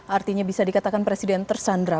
artinya bisa dikatakan presiden tersandra